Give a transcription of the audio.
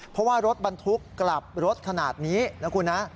เพราะว่ารถบรรทุกกลับรถขนาดนี้นะคุณนะ